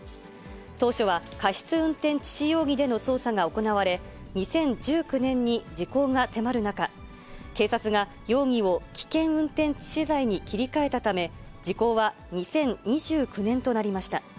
当初は過失運転致死容疑での捜査が行われ、２０１９年に時効が迫る中、警察が容疑を危険運転致死罪に切り替えたため、時効は２０２９年となりました。